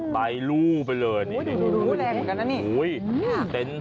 ใบลู่ไปเลยนี่แรงเหมือนกันนะนี่